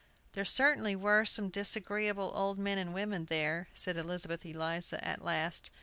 "There certainly were some disagreeable old men and women there!" said Elizabeth Eliza, at last.